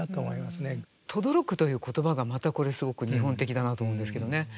とどろくという言葉がまたこれすごく日本的だなと思うんですけどね。